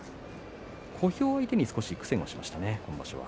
小兵相手に少し苦戦しましたね、今場所は。